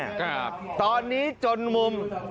แต่ตอนนี้จนมุม